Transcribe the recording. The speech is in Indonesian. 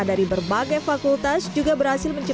dari berbagai fakultas juga berhasil